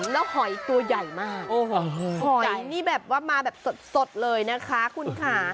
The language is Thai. แล้วหอยตัวใหญ่มากหอยนี่แบบว่ามาแบบสดเลยนะคะคุณค่ะ